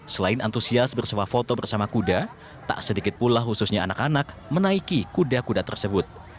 selain antusias bersama foto bersama kuda tak sedikit pula khususnya anak anak menaiki kuda kuda tersebut